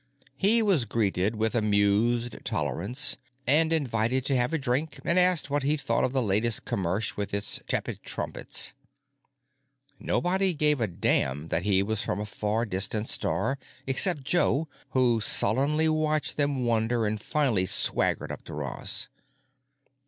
He was greeted with amused tolerance and invited to have a drink and asked what he thought of the latest commersh with its tepid trumpets. Nobody gave a damn that he was from a far distant star except Joe, who sullenly watched them wander and finally swaggered up to Ross.